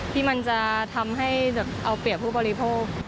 ที่มันจะทำให้เอาเปรียบผู้บริโภค